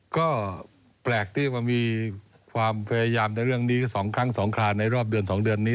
ก็แปลกที่มันมีความพยายามในเรื่องนี้๒ครั้ง๒ครานในรอบเดือน๒เดือนนี้